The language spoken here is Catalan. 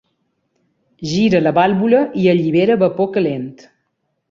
Gira la vàlvula i allibera vapor calent.